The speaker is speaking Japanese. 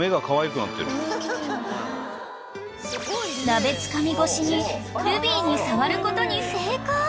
［鍋つかみ越しにルビーに触ることに成功］